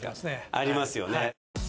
ありますよね。